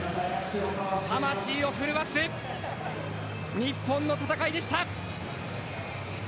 魂を震わす日本の戦いでした。